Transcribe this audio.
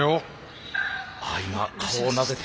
今顔をなでて。